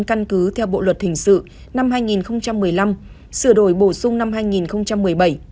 căn cứ theo bộ luật hình sự năm hai nghìn một mươi năm sửa đổi bổ sung năm hai nghìn một mươi bảy